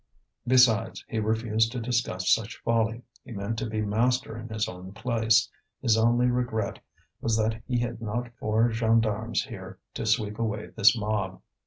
Besides, he refused to discuss such folly; he meant to be master in his own place. His only regret was that he had not four gendarmes here to sweep away this mob.